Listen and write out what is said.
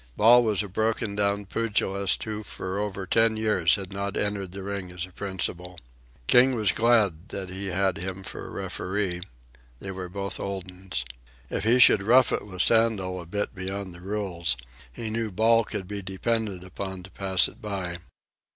Ball was a broken down pugilist who for over ten years had not entered the ring as a principal. King was glad that he had him for referee. They were both old uns. If he should rough it with Sandel a bit beyond the rules, he knew Ball could be depended upon to pass it by.